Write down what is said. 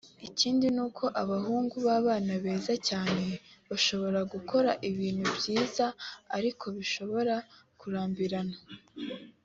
Ikindi ni uko abahungu b’abana beza cyane bashobora gukora ibintu byiza ariko bishobora kurambirana